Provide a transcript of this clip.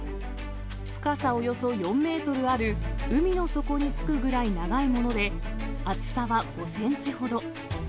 深さおよそ４メートルある海の底につくぐらい長いもので、厚さは５センチほど。